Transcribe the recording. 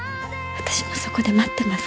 私もそこで待ってますから。